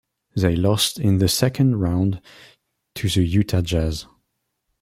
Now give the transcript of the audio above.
They lost in the second round to the Utah Jazz.